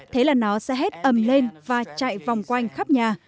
thế là nó sẽ hét ấm lên và chạy vòng quanh khắp nhà